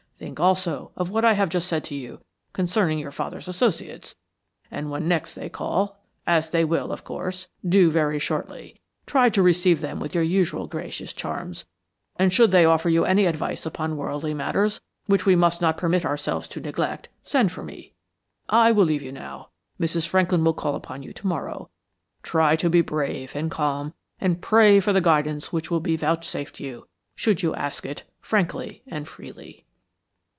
Think, also, of what I have just said to you concerning your father's associates, and when next they call, as they will, of course, do very shortly, try to receive them with your usual gracious charms, and should they offer you any advice upon worldly matters, which we must not permit ourselves to neglect, send for me. I will leave you now. Mrs. Franklin will call upon you to morrow. Try to be brave and calm, and pray for the guidance which will be vouchsafed you, should you ask it, frankly and freely."